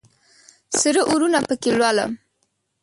سره اورونه پکښې لولم